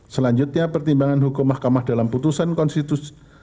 selanjutnya pertimbangan hukum mahkamah dalam putusan konstitusi